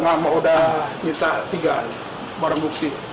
lama sudah minta tiga barang bukti